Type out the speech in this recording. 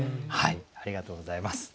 ありがとうございます。